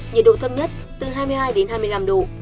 nhiệt độ cao nhất từ ba mươi ba mươi bốn độ khóagee đến hai mươi ba độ